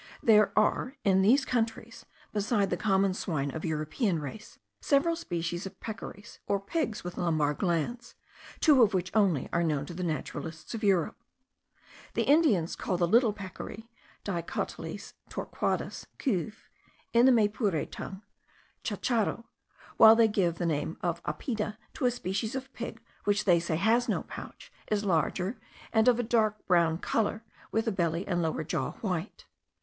There are in these countries, besides the common swine of European race, several species of peccaries, or pigs with lumbar glands, two of which only are known to the naturalists of Europe. The Indians call the little peccary (Dicotiles torquatus, Cuv.), in the Maypure tongue, chacharo; while they give the name of apida to a species of pig which they say has no pouch, is larger, and of a dark brown colour, with the belly and lower jaw white.